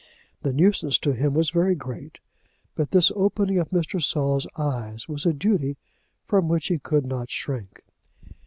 The nuisance to him was very great, but this opening of Mr. Saul's eyes was a duty from which he could not shrink.